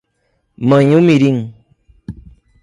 Manhumirim